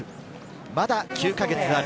まだ９か月ある。